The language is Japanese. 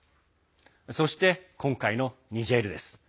そして、今回のニジェールです。